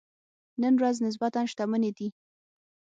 نن ورځ نسبتاً شتمنې دي.